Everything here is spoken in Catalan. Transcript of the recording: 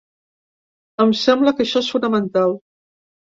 Em sembla que això és fonamental.